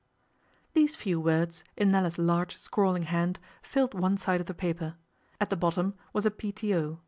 These few words, in Nella's large scrawling hand, filled one side of the paper. At the bottom was a P.T.O.